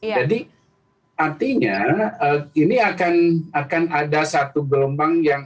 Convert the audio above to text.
jadi artinya ini akan ada satu gelombang yang